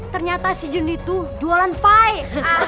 ternyata si jundi itu jualan pie